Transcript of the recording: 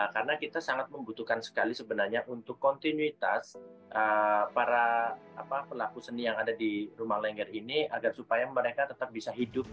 karena kita sangat membutuhkan sekali sebenarnya untuk kontinuitas para pelaku seni yang ada di rumah lengger ini agar supaya mereka tetap bisa hidup